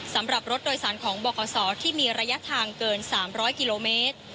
สำหรับรถโดยสารของบขที่มีระยะทางเกิน๓๐๐กิโลเมตร